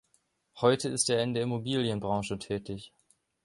Heute ist er in der Immobilienbranche tätig.